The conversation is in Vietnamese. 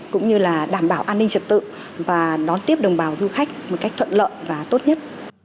cũng như là đảm bảo an ninh trật tự và đón tiếp đồng bào du khách một cách thuận lợi và tốt nhất